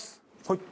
はい。